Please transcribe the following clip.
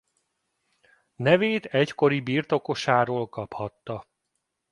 Nevét egykori birtokosáról kaphatta.